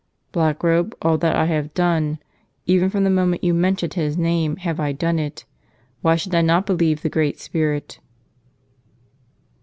"Blackrobe, all that I have done. Even from the moment you mentioned His name have I done it. Why should I not believe the Great Spirit?"